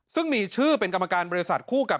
ซึ่งมีชื่อเป็นกรรมการบริษัทคู่กับ